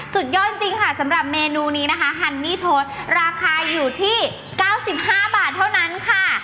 สุดยอดจริงค่ะสำหรับเมนูนี้นะคะฮันนี่โทษราคาอยู่ที่๙๕บาทเท่านั้นค่ะ